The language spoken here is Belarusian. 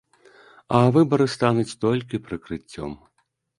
А выбары стануць толькі прыкрыццём.